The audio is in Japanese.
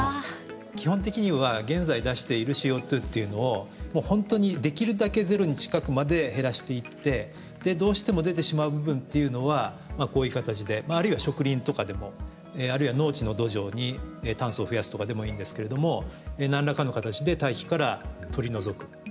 基本的には現在出しているＣＯっていうのを本当にできるだけゼロに近くまで減らしていってどうしても出てしまう部分っていうのはこういう形であるいは植林とかでもあるいは農地の土壌に炭素を増やすとかでもいいんですけれども何らかの形で大気から取り除く。